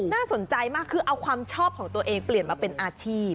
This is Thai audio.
น่าสนใจมากคือเอาความชอบของตัวเองเปลี่ยนมาเป็นอาชีพ